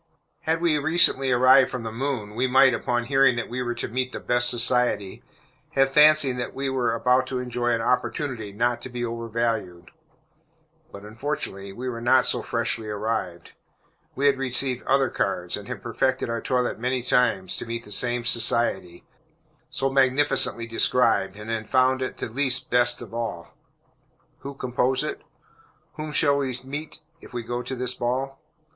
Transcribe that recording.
Had we recently arrived from the moon, we might, upon hearing that we were to meet the "best society," have fancied that we were about to enjoy an opportunity not to be overvalued. But unfortunately we were not so freshly arrived. We had received other cards, and had perfected our toilette many times, to meet this same society, so magnificently described, and had found it the least "best" of all. Who compose it? Whom shall we meet if we go to this ball?